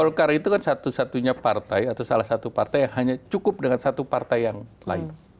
golkar itu kan satu satunya partai atau salah satu partai yang hanya cukup dengan satu partai yang lain